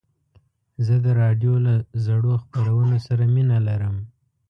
زه د راډیو له زړو خپرونو سره مینه لرم.